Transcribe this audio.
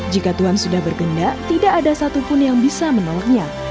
jika tuhan sudah bergenda tidak ada satupun yang bisa menolaknya